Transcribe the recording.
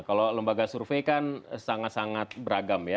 kalau lembaga survei kan sangat sangat beragam ya